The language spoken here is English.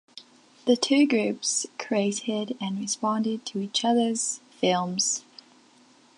The two groups created and responded to each other's films.